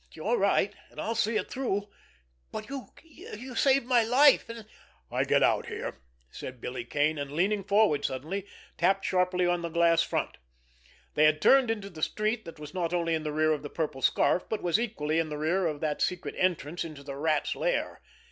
"You're right—and I'll see it through. But you—you saved my life, and——" "I get out here," said Billy Kane, and leaning forward suddenly, tapped sharply on the glass front. They had turned into the street that was not only in the rear of The Purple Scarf, but was equally in the rear of that secret entrance into the Rat's lair.